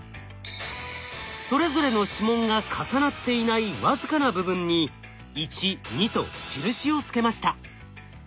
それぞれの指紋が重なっていない僅かな部分に１２と印をつけました。